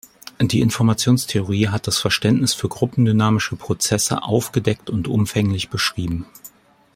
Die Informationstheorie hat das Verständnis für gruppendynamische Prozesse aufgedeckt und umfänglich beschrieben.